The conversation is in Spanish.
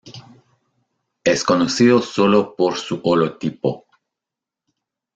Es conocido solo por su holotipo.